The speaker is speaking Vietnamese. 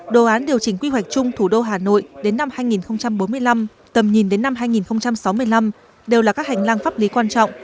đồ án điều chỉnh quy hoạch chung thủ đô hà nội đến năm hai nghìn bốn mươi năm tầm nhìn đến năm hai nghìn sáu mươi năm đều là các hành lang pháp lý quan trọng